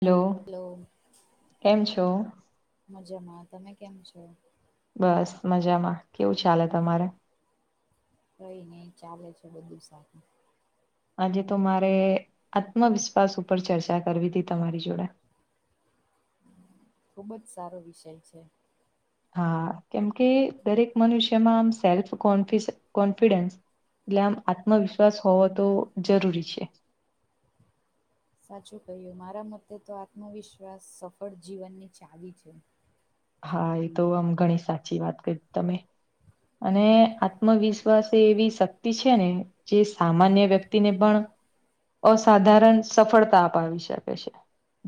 Hello. કેમ છો? મજામાં. તમે કેમ છો? બસ મજામાં. કેવું ચાલે તમારે? કહી નહીં. ચાલે છે બધું સારું. આજે તો મારે આત્મવિશ્વાસ ઉપર ચર્ચા કરવી હતી તમારી જોડે. ખુબ જ સારો વિષય છે. હા! કેમકે દરેક મનુષ્યમાં આમ સેલ્ફ કોફ કોન્ફિડન્સ. એટલે આમ આત્મવિશ્વાસ હોવો તો જરૂરી છે. સાચું કહ્યું. મારા મતે તો આત્મવિશ્વાસ સફળ જીવનની ચાવી છે. હા! એ તો આમ ઘણી સાચી વાત કરી તમે. અને આત્મવિશ્વાસ એવી શક્તિ છે ને? જે સામાન્ય વ્યક્તિ ને પણ. અસાધારણ સફળતા અપાવી શકે છે.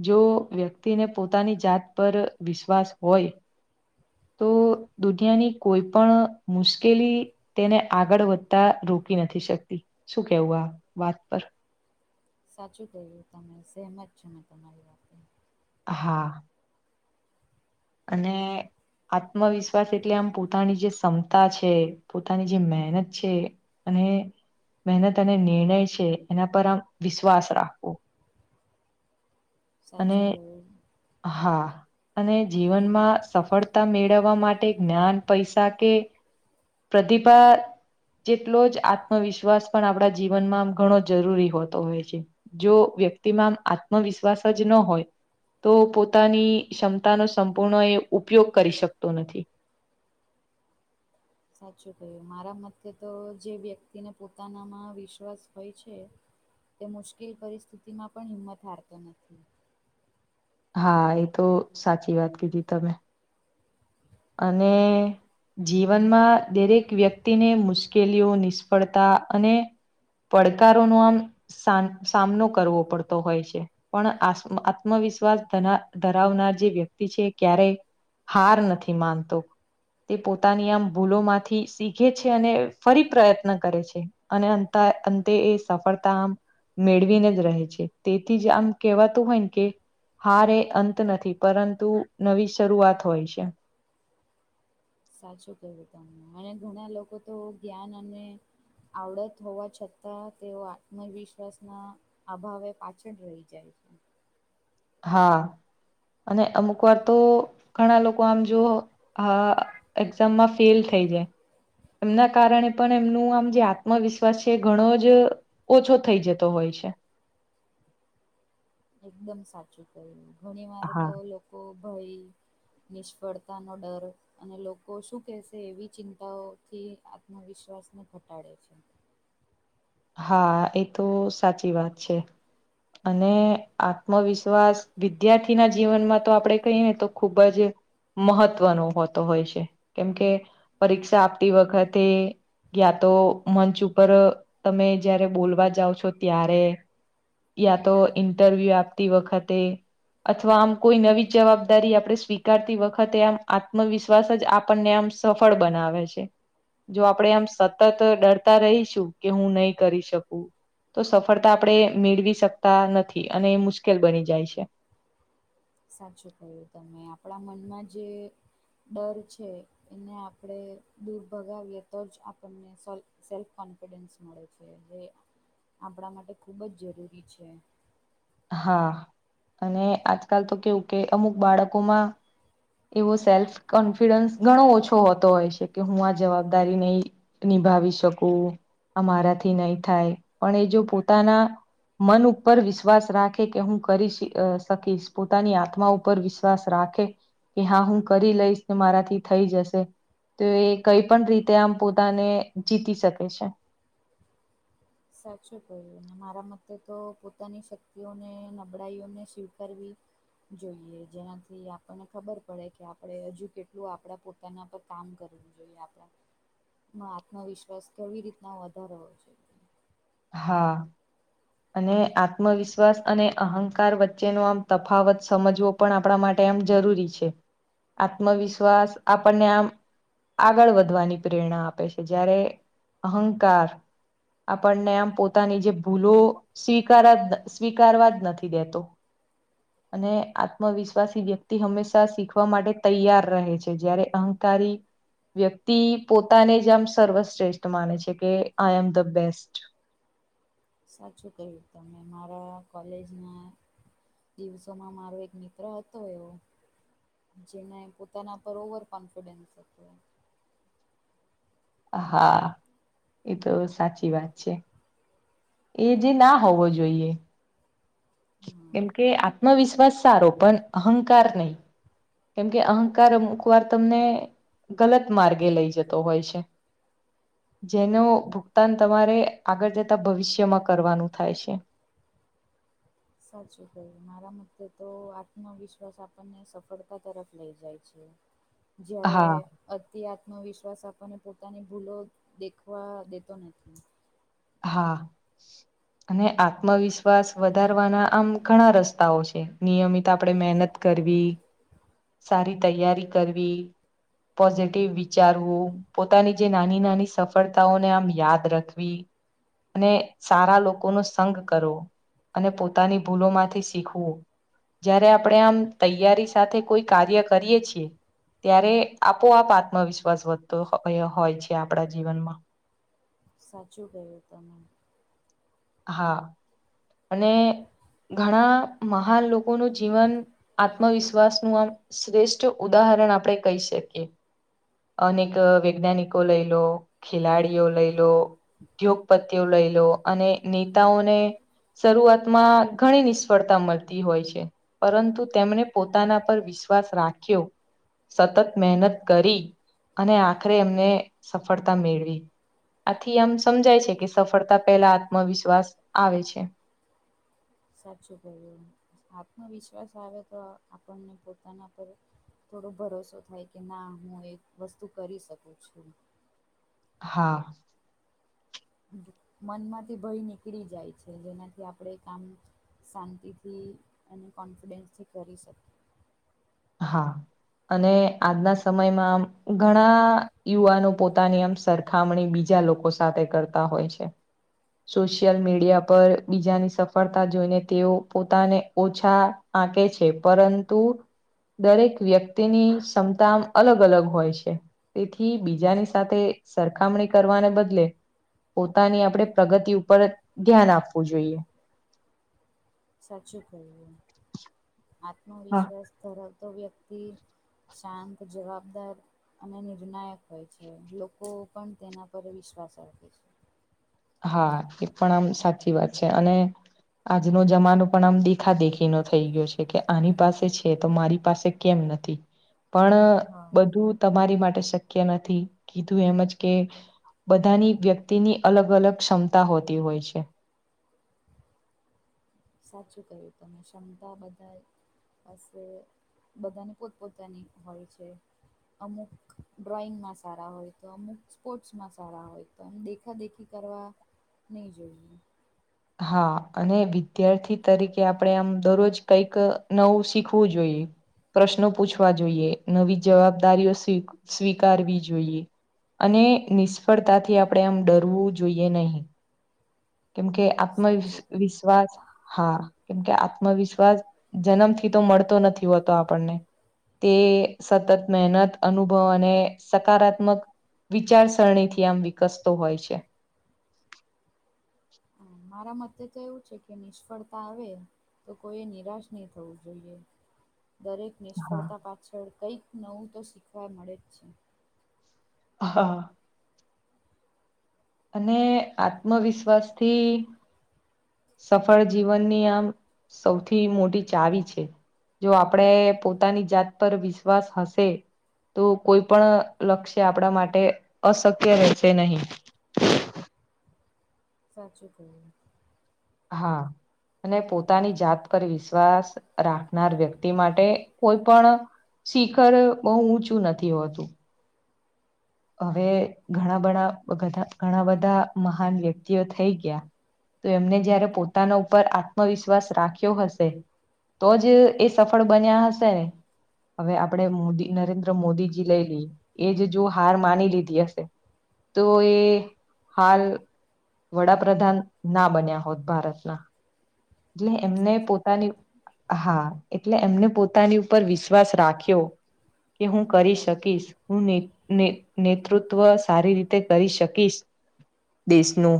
જો વ્યક્તિને પોતાની જાત પર વિશ્વાસ હોય. તો દુનિયાની કોઈ પણ મુશ્કેલી. તેને આગળ વધતા રોકી નથી શકતી. શું કેવું આ વાત પર? સાચું કહ્યું તમે. સહેમત છુ, મેં તમારી વાતતે. હા! અને. આત્મવિશ્વાસ એટલે આમ પોતાની જે ક્ષમતા છે, પોતાની જે મહેનત છે. અને મહેનત અને નિર્ણય છે. એના પર આમ વિશ્વાસ રાખવો અને સાચું કહ્યુ. હા! અને જીવનમાં સફળતા મેળવવા માટે જ્ઞાન પૈસા કે. પ્રતિભા જેટલો જ આત્મવિશ્વાસ પણ આપણા જીવનમાં ઘણો જરૂરી હોતો હોય છે. જો વ્યક્તિમાં આત્મવિશ્વાસ જ ન હોય તો, પોતાની ક્ષમતાનો. સંપૂર્ણ એ ઉપયોગ કરી શકતો નથી. સાચું કહ્યું. મારા મતે તો, જે વ્યક્તિને પોતાનામાં વિશ્વાસ હોય છે. તે મુશ્કેલ પરિસ્થિતિમાં પણ હિંમત હારતો નથી. હા! એ તો સાચી વાત કીધી તમે. અને. જીવનમાં દરેક વ્યક્તિને મુશ્કેલીઓ નિષ્ફળતા અને. પડકારો ન આમ સા સામનો કરવો પડતો હોય છે. પણ આત્મવિશ્વાસ ધરાવનાર જે વ્યક્તિ છે ક્યારે. હાર નથી માનતો. તે પોતાની આમ ભૂલો માંથી શીખે છે. અને ફરી પ્રયત્ન કરે છે. અને અ અંતે એ સફળતા આમ. મેળવીને જ રહે છે. તેથી જ આમ કેહેવાતું હોય ને કે. હારારે એ અંત નથી. પરંતુ નવી શરૂઆત હોય છે. સાચું કેવું તમને. અને ઘણા લોકો તો જ્ઞાન અને. આવડત હોવા છતાં, તેઓ આત્મવિશ્વાસના. આ ભાવે પાછળ રહી જાય છે. હા! અને અમુક વાર તો ઘણા લોકો આમ જો. હા એક્ઝામમાં ફેલ થઈ જાય. એમના કારણે પણ એમનું આમ જે આત્મવિશ્વાસ છે ઘણો જ. ઓછો થઈ જતો હોય છે. એકદમ સાચું કહ્યુ. ઘણી વાર હા તો લોકો ભાઈ. નિષ્ફડતા નોડર અને લોકો શું કેશે એવી ચિંતાઓથી આત્મવિશ્વાસને ઘટાડે છે હા એ તો સાચી વાત છે અને આત્મવિશ્વાસ વિદ્યાર્થીના જીવનમાં તો આપડે કહીએ તો ખુબ જ મહત્વનો હોતો હોય છે કેમકે પરીક્ષા આપતી વખતે કયા તો મંચ ઉપર તમે જારે બોલવા જાઓ છો ત્યારે યા તો ઇન્ટરવ્યુ આપતી વખતે અથવા આમ કોઈ નવી જવાબદારી આપણે સ્વીકારતી વખતે આમ આત્મવિશ્વાસ જ આપણને આમ સફળ બનાવે છે જો આપણેે આમ સતત ડરતા રહીશું કે હું નહી કરી શકું તો સફળતા આપણે મેળવી શકતા નથી અને એ મુશ્કેલ બની જાય છે સાચું કહ્યું તમે આપણા મનમાં જે ડર છે એને આપણે દૂર ભગાવીએ તો જ આપણને સો સેલ્ફોન ફિડન્સ મળે છે જે આપણા માટે ખૂબ જ જરૂરી છે હા અને આજકાલ તો કેવું કે અમુક બાળકોમાં એવો સેલ્ફ કોન્ફિડન્સ ઘણો ઓછો હોતો હોય છે કે હું આ જવાબદારી નહી નિભાવી શકું આ મારાથી નહી થાય પણ એ જો પોતાના મન ઉપર વિશ્વાસ વિશ્વાસ રાખે કે હું કરીશ શકીશ પોતાની આત્મા ઉપર વિશ્વાસ રાખે કે હા હું કરી લઈશ મારાથી થઈ જશે તો એ કઈ પણ રીતે આમ પોતાને જીતી શકે છે સાચું કહ્યું અને મારા મતે તો પોતાની શક્તિઓને નબળાઈઓને સ્વીકારવી જોઈએ જેનાથી આપણને ખબર પડે કે આપણે હજુ કેટલું આપણા પો તેના પર કામ કરવું જોઈએ આપણે ન આત્મવિશ્વાસ કેવી રીતના વધારો છે હા અને આત્મવિશ્વાસ અને અહંકાર વચ્ચેનો આમ તફાવત સમજવો પણ આપણા માટે એમ જરૂરી છે આત્મવિશ્વાસ આપણને આમ આગળ વધવાની પ્રેરણા આપે છે જ્યારે અહંકાર આપણને આમ પોતાની જે ભૂલો સ્વીકાર જ સ્વીકારવા જ નથી દેતો અને આત્મવિશ્વાસ વ્યક્તિ હંમેશા શીખવા માટે તૈયાર રહે છે જયારે અહંકારી વ્યક્તિ પોતાને જ આમ સર્વશ્રેષ્ઠ માને છે કે આઈ એમ ધ બેસ્ટ સાચું કહ્યું તમે મારા કોલેજના દિવસોમાં મારો એક મિત્ર હતો એવો જેને પોતાના પર ઓવર કોન્ફિડન્સ હતું હોય હા એતો સાચી વાત છે એ જે ના હોવો જોઈએ હમ કેમ કે આત્મવિશ્વાસ સારો પણ અહંકાર નહી કેમ કે અહંકાર અમુક વાર તમને ગલત માર્ગે લઈ જતો હોય છે જેનો ભુગતાન તમારે આગળ જતા ભવિષ્યમાં કરવાનું થાય છે સાચું કય મારા મતે તો આત્મવિશ્વાસ આપણને સફળતા તરફ લઇ જાય છે [inaudible] જ્યારે અતિ આત્મવિશ્વાસ આપણને પોતાની ભૂલો દેખવા દેતો નથી હા અને આત્મવિશ્વાસ વધારવાના આમ ઘણા રસ્તાઓ છે નિયમિત આપડે મહેનત કરવી સારી તૈયારી કરવી પોઝિટીવ વિચારવું પોતાની જે નાની નાની સફળતાઓને આમ યાદ રાખવી. અને સારા લોકોનો સંગ કરવો અને પોતાની ભૂલોમાંથી શીખવું. જયારે આપડે આમ તૈયારી સાથે કોઈ કાર્ય કરીએ છીએ. ત્યારે આપોઆપ આત્મવિશ્વાસ વધતો હોય છે આપડા જીવનમાં સાચું કહ્યું તમે. હા અને ઘણા મહાન લોકોનું જીવન આત્મવિશ્વાસ નું આમ શ્રેષ્ઠ ઉદાહરણ આપડે કહી શકીએ. અનેક વૈજ્ઞાનિકો લઈ લો ખેલાડીઓ લઈ લો. ઉદ્યોગપતિઓ લઈ લો અને નેતાઓને શરૂઆતમાં ઘણી નિષ્ફળતા મળતી હોય છે. પરંતુ તેમણે પોતાના પર વિશ્વાસ રાખ્યો. સતત મહેનત કરી અને આખરે એમને સફળતા મેળવી. આથી આમ સમજાય છે કે સફળતા પહેલા આત્મવિશ્વાસ આવે છે. સાચું કહ્યું આત્મવિશ્વાસ આવે તો આપણને પોતાના પર થોડો ભરોસો થાય કે ના હું એક વસ્તુ કરી શકું છું. હા મનમાંથી ભય નીકળી જાય છે જેનાથી આપડે કામ શાંતિથી અને કોન્ફિડન્સથી કરી શકે. હા અને આજના સમયમાં આમ ઘણા યુવાનો પોતાની આમ સર ખામણી બીજા લોકો સાથે કરતા હોય છે. સોશિયલ મીડિયા પર બીજાની સફળતા જોઈને તેઓ પોતાને ઓછા આંકે છે પરંતુ દરેક વ્યક્તિની ક્ષમતા અલગ અલગ હોય છે. તેથી બીજાની સાથે સરખામણી કરવાને બદલે પોતાની આપડે પ્રગતિ ઉપર ધ્યાન આપવું જોઈએ. સાચું કહ્યું હા. આત્મવિશ્વાસ ધરાવતો વ્યક્તિ શાંત જવાબદાર અને નિર્ણાયક હોય છે લોકો પણ તેના પર વિશ્વાસ રાખે છે. હા એ પણ આમ સાચી વાત છે અને આજનો જમાનો પણ આમ દેખા દેખીનો થઈ ગયો છે કે આની પાસે છે તો મારી પાસે કેમ નથી. પણ હા. બધું તમારી માટે શક્ય નથી કીધું એમજ કે બધાની વ્યક્તિની અલગ અલગ ક્ષમતા હોતી હોય છે. સાચું કહ્યું તમે ક્ષમતા બધાય પાસે બધાની પોત પોતાની હોય છે. અમુક ડ્રોઈંગમાં સારા હોય તો અમુક સ્પોર્ટ્સમાં સારા હોય. તો આમ દેખા દેખી કરવા નહી જોઈએ. હા અને વિદ્યાર્થી તરીકે આપડે આમ દરરોજ કઈક નવું શીખવું જોઈએ. પ્રશ્નો પૂછવા જોઈએ નવી જવાબદારીઓ સ્વીકારવી જોઈએ. અને નિષ્ફળતાથી આપડે આમ ડરવું જોઈએ નહીં. કેમ કે સાચું કહ્યું. આત્મવિશ્વાસ હા કેમકે આત્મવિશ્વાસ જન્મ થી તો મળતો નથી હોતો આપણને તે સતત મહેનત અનુભવ અને સકારાત્મક વિચારસરણી થી આમ વિકસતો હોય છે. મારા મતે તો એવું છે કે નિષ્ફળતા આવે. તો કોઈએ નિરાશ નહી થવું જોઈએ દરેક હા નિષ્ફળતા પાછળ કંઈક નવું તો શીખવા મળે જ છે. હા અને આત્મવિશ્વાસથી સફળ જીવનની આમ સૌથી મોટી ચાવી છે જો આપણેે પોતાની જાત પર વિશ્વાસ હશે તો કોઈ પણ લક્ષ્ય આપણા માટે અશક્ય રહેશે નહીં સાચચી કુ હા અને પોતાની જાત પર વિશ્વાસ રાખ નાર વ્યક્તિ માટે કોઈ પણ શિખર બહુ ઊંચું નથી હોતું હવે ઘણા બણા ઘણા બધા મહાન વ્યક્તિઓ થઈ ગયા તો એમને જયારે પોતાના ઉપર આત્મવિશ્વાસ રાખ્યો હશે તો જ એ સફળ બન્યા હશે ને હવે આપડે મોદી નરેન્દ્ર મોદીજી લઈ લ એજ જો હાર માની લીધી હશે તો એ હાલ વડાપ્રધાન ના બન્યા હોત ભારતના એટલે એમને સાચું પોતાની કહ્યું તમે. હા એટલે એમને પોતાની ઉપર વિશ્વાસ રાખ્યો કે હું કરી શકીશ હું નેને નેતૃત્વ સારી રીતે કરી શકીશ દેશનું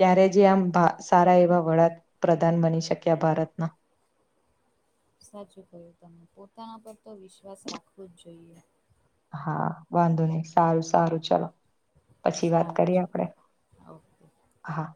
ત્યારે જે આમ સારા એવા વડા પ્રધાન બની શક્યા ભારતના સાચું કહ્યું તમે પોતાના પર તો વિશ્વાસ રાખવો જ જોઈએ હા વાંધો નહી સારું સારું ચલો પછી વાત સારું કરીએ ચલો. આપડે ઓકે. હા